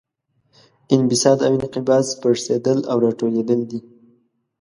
انبساط او انقباض پړسیدل او راټولیدل دي.